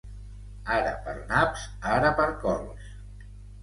Ara per naps, ara per cols.